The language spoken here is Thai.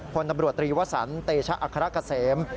พลตำรวจตรีวสันเตชะอัครกะเสม